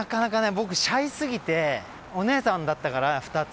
僕シャイ過ぎてお姉さんだったから２つ。